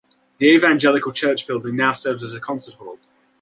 The evangelical church building now serves as a concert hall.